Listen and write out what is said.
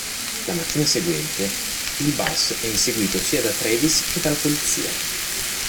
La mattina seguente, il bus è inseguito sia da Travis che dalla polizia.